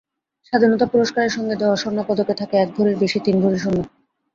স্বাধীনতা পুরস্কারের সঙ্গে দেওয়া স্বর্ণপদকে থাকে এক ভরির বেশি তিন ভরি স্বর্ণ।